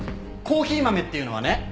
コーヒー豆っていうのはね